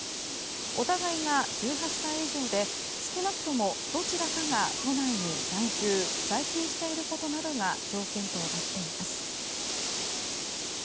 お互いが１８歳以上で少なくとも、どちらかが都内に在住、在勤していることなどが条件となっています。